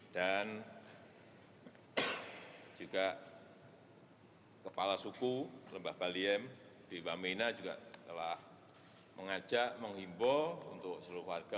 dan juga kepala suku lembah baliem di wamenah juga telah mengajak menghimbau seluruh warga